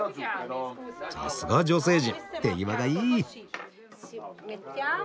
さすが女性陣手際がいい。